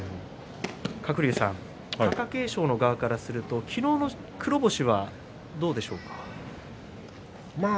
鶴竜さん貴景勝の側からすると昨日の黒星はどうでしょうか？